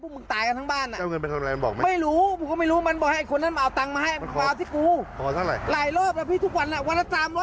มันเสพมันเสพพี่มีอุปกรณ์มันถ่ายไว้ให้หมด